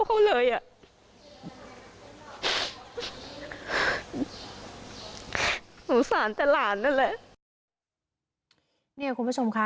คุณผู้ชมคะ